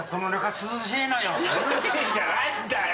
「涼しい」じゃないんだよ。